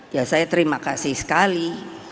ya saya terima kasih sekali